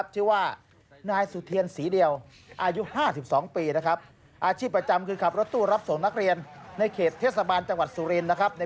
ตัดผมนะครับโทษทีนะครับ